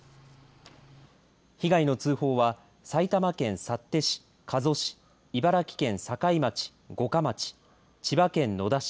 被害の通報は埼玉県幸手市、加須市茨城県境町、五霞町千葉県野田市